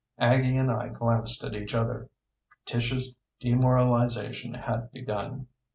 Aggie and I glanced at each other. Tish's demoralization had begun.